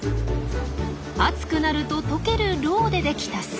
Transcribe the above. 暑くなると溶ける蝋でできた巣。